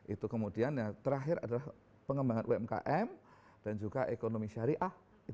itu kemudian yang terakhir adalah pengembangan umkm dan juga ekonomi syariah